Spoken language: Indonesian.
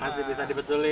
masih bisa dibetulin